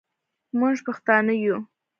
موږ پښتانه یو.